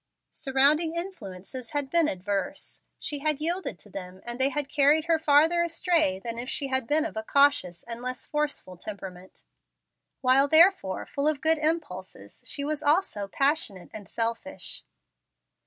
Surrounding influences had been adverse. She had yielded to them, and they had carried her farther astray than if she had been of a cautious and less forceful temperament. While therefore full of good impulses, she was also passionate and selfish.